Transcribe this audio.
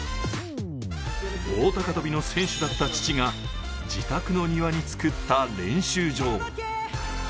棒高跳の選手だった父が自宅の庭につくった練習場。